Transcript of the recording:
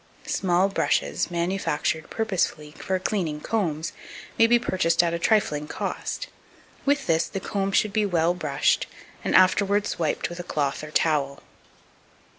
Small brushes, manufactured purposely for cleaning combs, may be purchased at a trifling cost: with this the comb should be well brushed, and afterwards wiped with a cloth or towel.